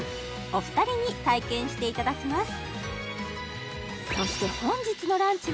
お二人に体験していただきます